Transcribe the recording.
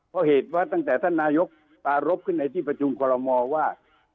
เพราะเหตุว่าตั้งแต่ท่านนายกปารพขึ้นในที่ประชุมคอลโลมอว่า